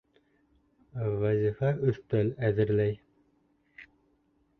Вазифа өҫтәл әҙерләй.